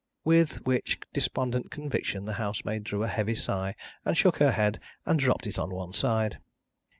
With which despondent conviction, the housemaid drew a heavy sigh, and shook her head, and dropped it on one side.